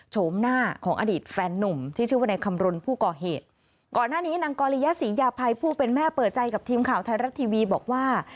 โฉมหน้าของอดีตแฟนนุ่มที่ชื่อว่าในคำรณผู้ก่อเหตุก่อนหน้านี้นางกรริยศรียาภัยผู้เป็นแม่เปิดใจกับทีมข่าวไทยรัฐทีวีบอกว่า